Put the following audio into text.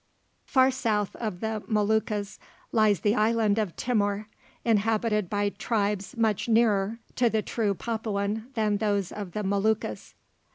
Far south of the Moluccas lies the island of Timor, inhabited by tribes much nearer to the true Papuan than those of the Moluccas.